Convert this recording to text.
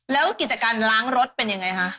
แล้วกิจการล้างรถเป็นยังไงคะ